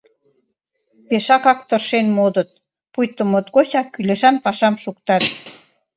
Пешакак тыршен модыт, пуйто моткочак кӱлешан пашам шуктат.